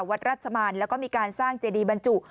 วัดราชมันแล้วก็มีการสร้างเจดีบรรจุ